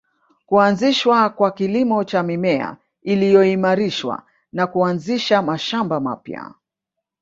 Kuanzishwa kwa kilimo cha mimea iliyoimarishwa na kuanzisha mashamba mapya